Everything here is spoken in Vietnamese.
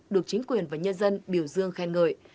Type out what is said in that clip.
được chính quyền và nhân dân biểu dương khen ngợi